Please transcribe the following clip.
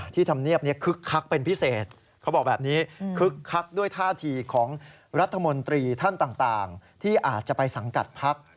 ธรรมเนียบนี้คึกคักเป็นพิเศษเขาบอกแบบนี้คึกคักด้วยท่าทีของรัฐมนตรีท่านต่างที่อาจจะไปสังกัดพัก